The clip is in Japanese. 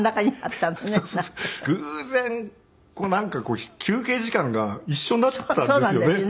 偶然なんかこう休憩時間が一緒になったんですよね。